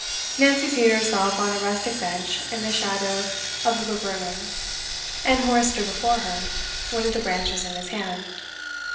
Nancy seated herself on a rustic bench in the shadow of the laburnum, and Horace stood before her, one of the branches in his hand.